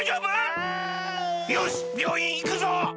あ。よしびょういんいくぞ！